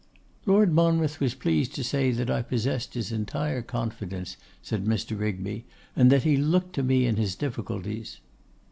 'Lord Monmouth was pleased to say that I possessed his entire confidence,' said Mr. Rigby, 'and that he looked to me in his difficulties.